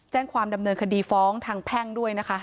แจ้งความดำเนินคดีฟ้องทางแพ่งด้วยนะคะ